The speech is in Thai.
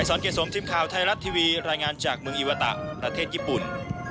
รายงานจากเมืองอิวาตะประเทศญี่ปุ่น